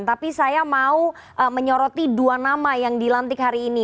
tapi saya mau menyoroti dua nama yang dilantik hari ini